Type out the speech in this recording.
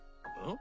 ん？